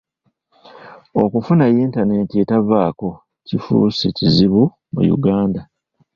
Okufuna yintanenti etavaako kifuuse kizibu mu Uganda.